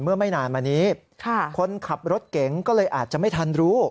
ไม่นานมานี้คนขับรถเก๋งก็เลยอาจจะไม่ทันรู้